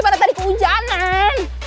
mana tadi keunjangan